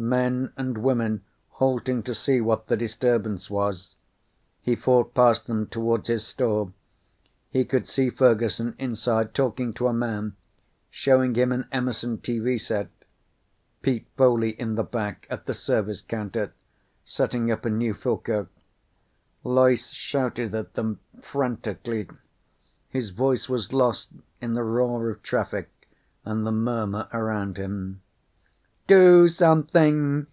Men and women halting to see what the disturbance was. He fought past them toward his store. He could see Fergusson inside talking to a man, showing him an Emerson TV set. Pete Foley in the back at the service counter, setting up a new Philco. Loyce shouted at them frantically. His voice was lost in the roar of traffic and the murmur around him. "Do something!"